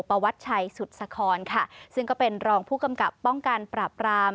วัชชัยสุดสครค่ะซึ่งก็เป็นรองผู้กำกับป้องกันปราบราม